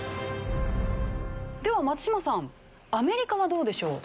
では松嶋さんアメリカはどうでしょう？